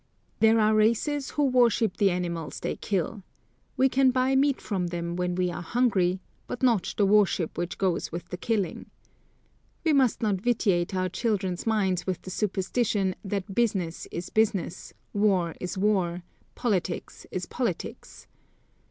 There are races, who worship the animals they kill; we can buy meat from them, when we are hungry, but not the worship which goes with the killing. We must not vitiate our children's minds with the superstition, that business is business, war is war, politics is politics.